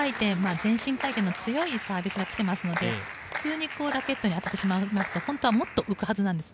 前進回転の強いサービスがきていますので普通にラケットに当たってしまいますと本当はもっと浮くはずなんです。